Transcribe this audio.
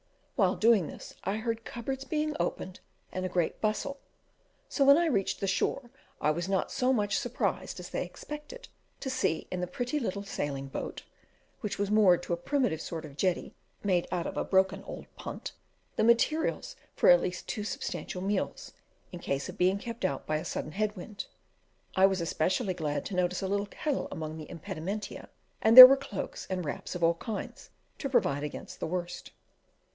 While doing this I heard cupboards being opened, and a great bustle; so when I reached the shore I was not so much surprised as they expected, to see in the pretty little sailing boat (which was moored to a primitive sort of jetty made out of a broken old punt) the materials for at least two substantial meals, in case of being kept out by a sudden head wind. I was especially glad to notice a little kettle among the impedimenta, and there were cloaks and wraps of all kinds to provide against the worst.